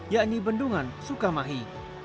yakni bendungan sukamahi